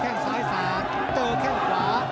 แข้งสายสามลาเดินแค่ขวา